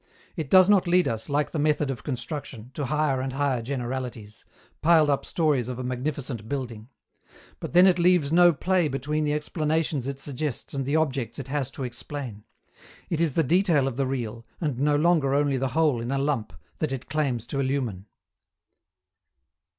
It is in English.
It does not lead us, like the method of construction, to higher and higher generalities piled up stories of a magnificent building. But then it leaves no play between the explanations it suggests and the objects it has to explain. It is the detail of the real, and no longer only the whole in a lump, that it claims to illumine.